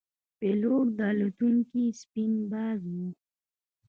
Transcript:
پیلوټ د الوتکې سپین باز وي.